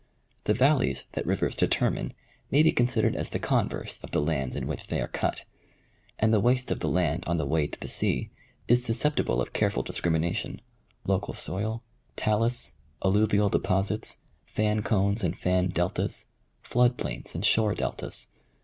The valleys that rivers determine may be considered as the converse of the lands in which they are cut ; and the waste of the land on the way to the sea is susceptible of careful discrimination : local soil, talus, alluvial deposits, fan cones and fan deltas, flood plains and shore deltas.